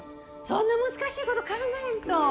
そんな難しいこと考えんと。